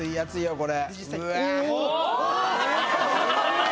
これ。